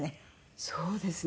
そうですね。